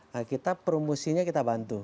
nah kita promosinya kita bantu